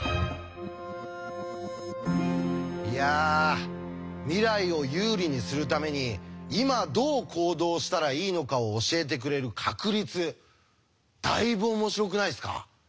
いや未来を有利にするために今どう行動したらいいのかを教えてくれる確率。だいぶ面白くないですか？